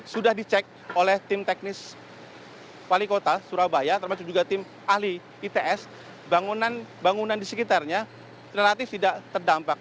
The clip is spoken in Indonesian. sudah dicek oleh tim teknis wali kota surabaya termasuk juga tim ahli its bangunan bangunan di sekitarnya relatif tidak terdampak